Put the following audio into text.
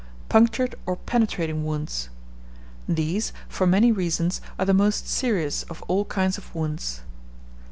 Punctured or penetrating wounds. These, for many reasons, are the most serious of all kinds of wounds.